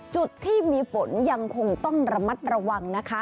จุดที่มีฝนยังคงต้องระมัดระวังนะคะ